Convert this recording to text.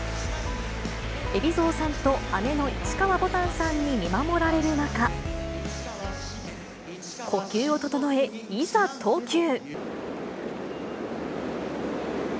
海老蔵さんと姉の市川ぼたんさんに見守られる中、呼吸を整え、いざ投球。